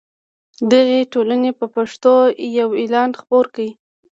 دغې ټولنې په پښتو یو اعلان خپور کړ.